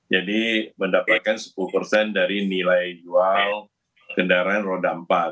jadi mendapatkan sepuluh dari nilai jual kendaraan roda empat